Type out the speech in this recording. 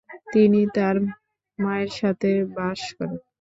তিনি তার মায়ের সাথে বাস করেন।